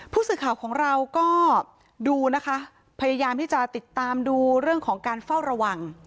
ผู้สื่อข่าวของเราก็ดูนะคะพยายามที่จะติดตามดูเรื่องของการเฝ้าระวัง